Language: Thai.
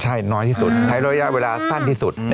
ใช่น้อยที่สุดใช้ระยะเวลาสั้นที่สุด